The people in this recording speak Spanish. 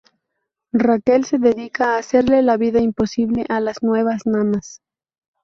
Raquel se dedica a hacerle la vida imposible a las nuevas nanas.